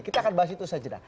kita akan bahas itu saja